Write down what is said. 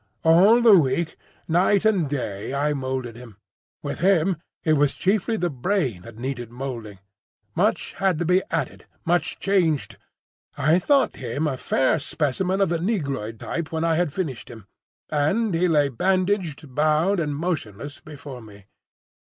All the week, night and day, I moulded him. With him it was chiefly the brain that needed moulding; much had to be added, much changed. I thought him a fair specimen of the negroid type when I had finished him, and he lay bandaged, bound, and motionless before me.